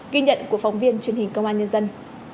ghi nhận của phóng viên truyền hình công an nhân dân